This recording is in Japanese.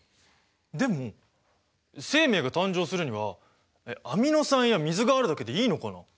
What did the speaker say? でも生命が誕生するにはアミノ酸や水があるだけでいいのかな？